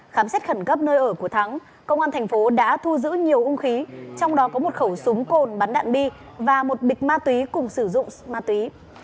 khám xét khẩn cấp nơi ở của thắng công an tp đã thu giữ nhiều ung khí trong đó có một khẩu súng cồn bắn đạn bi và một bịch ma túy cùng sử dụng ma túy